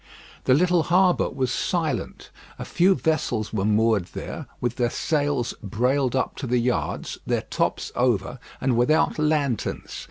The little harbour was silent. A few vessels were moored there, with their sails brailed up to the yards, their tops over, and without lanterns.